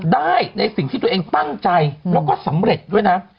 ได้ในสิ่งที่ตัวเองตั้งใจแล้วก็สำเร็จด้วยนะ